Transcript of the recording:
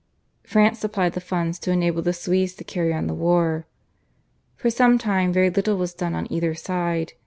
France supplied the funds to enable the Swedes to carry on the war. For some time very little was done on either side.